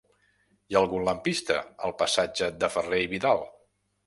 Hi ha algun lampista al passatge de Ferrer i Vidal?